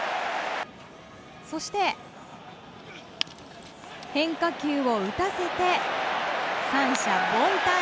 そして変化球を打たせて三者凡退。